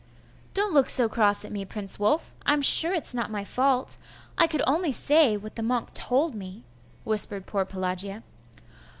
'Don't look so cross at me, Prince Wulf; I'm sure it's not my fault; I could only say what the monk told me,' whispered poor Pelagia.